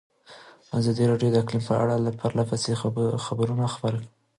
ازادي راډیو د اقلیم په اړه پرله پسې خبرونه خپاره کړي.